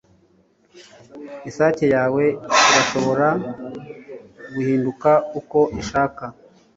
isake yawe irashobora guhinduka uko ishaka